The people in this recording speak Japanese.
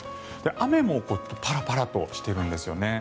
雨もパラパラとしているんですよね。